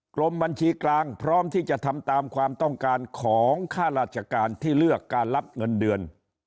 กรมบัญชีกลางพร้อมที่จะทำตามความต้องการของค่าราชการที่เลือกการรับเงินเดือน